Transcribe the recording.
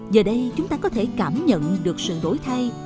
giờ đây chúng ta có thể cảm nhận được sự đổi thay